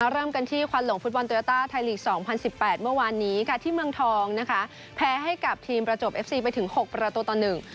เริ่มกันที่ควันหลงฟุตบอลโยต้าไทยลีกสองพันสิบแปดเมื่อวานนี้ค่ะที่เมืองทองนะคะแพ้ให้กับทีมประจวบเอฟซีไปถึงหกประตูต่อหนึ่ง